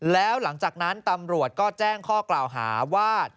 แล้วหลังจากนั้นตำรวจก็แจ้งข้อกล่าวหาว่า